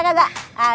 aku tidak sadar